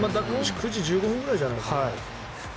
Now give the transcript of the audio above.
９時１５分ぐらいじゃないかな。